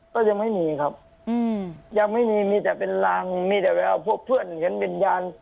ก็ยังไม่มีครับยังไม่มีมีแต่เป็นรางมีแต่พวกเพื่อนเห็นเป็นยาน